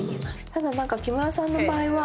ただ木村さんの場合は。